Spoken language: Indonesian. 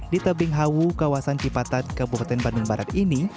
di tebing hawu kawasan cipatat kabupaten bandung barat ini